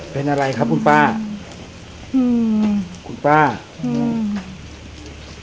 เป็นอะไรครับคุณป้าอืมคุณป้าอืม